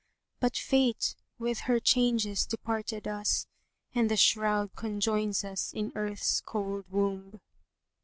But Fate with her changes departed us, * And the shroud conjoins us in Earth's cold womb."